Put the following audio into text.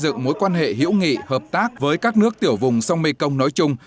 xây dựng mối quan hệ hữu nghị hợp tác với các nước tiểu vùng sông mekong nói chung